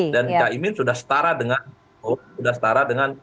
dan kak imin sudah setara dengan